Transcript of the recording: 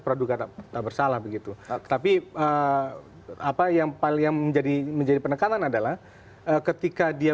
produk kata bersalah begitu tapi apa yang paling menjadi menjadi penekanan adalah ketika dia